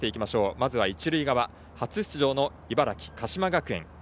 まずは一塁側、初出場の茨城、鹿島学園。